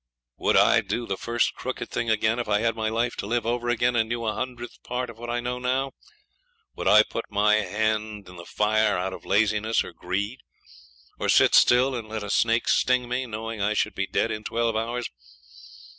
Would I do the first crooked thing again if I had my life to live over again, and knew a hundredth part of what I know now? Would I put my hand in the fire out of laziness or greed? or sit still and let a snake sting me, knowing I should be dead in twelve hours?